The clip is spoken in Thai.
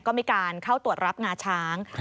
ก็มีการเข้าตรวจรับงาช้าง